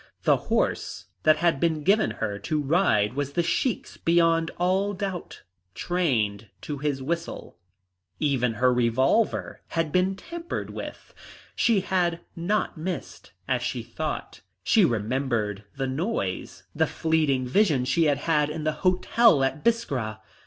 The horse that had been given her to ride was the Sheik's beyond all doubt, trained to his whistle. Even her revolver had been tampered with. She had not missed, as she had thought. She remembered the noise, the fleeting vision she had had in the hotel at Biskra.